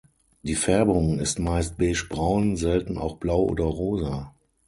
Die Färbung ist meist beige-braun, selten auch blau oder rosa.